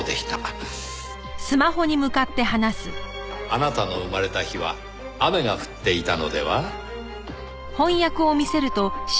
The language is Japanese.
あなたの生まれた日は雨が降っていたのでは？